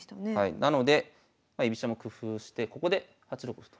なのでまあ居飛車も工夫してここで８六歩と。